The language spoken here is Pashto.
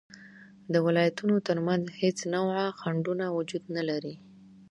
د ولایتونو تر منځ هیڅ نوعه خنډونه وجود نلري